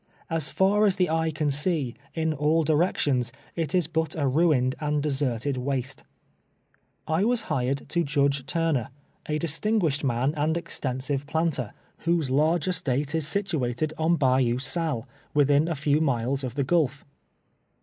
As far as the eye can see, in all directions, it is but a ruined and deserted waste. I was hired to Judge Turner, a distinguished man and extensive planter, whose large estate is situated I 13 194 TWELVE YEAKS A SLA^TE. on llayou Sallo, within ii few miles of the gulf.